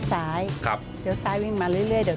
ที่เราบอกว่ามีหลายอย่างไม่ได้มีแต่กะปิอย่างเดียว